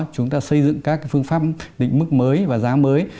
chúng ta xây dựng các phương pháp định mức mới và giá mới